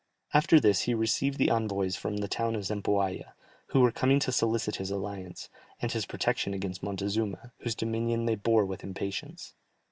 After this he received the envoys from the town of Zempoalla, who were come to solicit his alliance, and his protection against Montezuma, whose dominion they bore with impatience.